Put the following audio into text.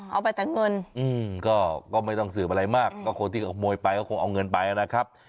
เอาไปแต่เงินก็ไม่ต้องสืบอะไรมากก็คนที่ขโมยไปก็คงเอาเงินไปนะครับ